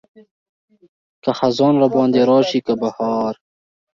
که خزان راباندې راشي که بهار.